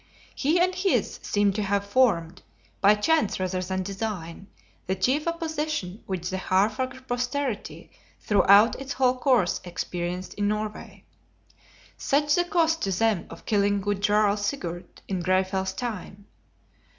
He and his seemed to have formed, by chance rather than design, the chief opposition which the Haarfagr posterity throughout its whole course experienced in Norway. Such the cost to them of killing good Jarl Sigurd, in Greyfell's time!